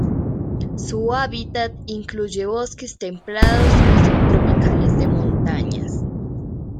Su hábitat incluye bosques templados y subtropicales de montañas.